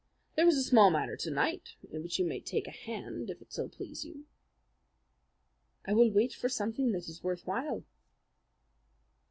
There is a small matter to night in which you may take a hand if it so please you." "I will wait for something that is worth while."